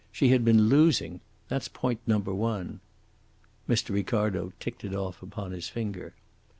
She had been losing. That's point number one." Mr. Ricardo ticked it off upon his finger.